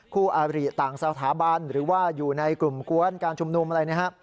คู่อาริต่างสถาบันหรือว่าอยู่ในกลุ่มกวนการชุมนุมอะไรนะฮะ